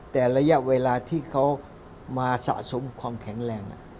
แต่ระยะเวลาที่เขามาสะสมความแข็งแรง